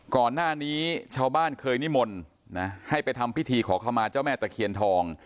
ก่อนหน้านี้ชาวบ้านเคยนิมนต์นะให้ไปทำพิธีขอเข้ามาเจ้าแม่ตะเคียนทอง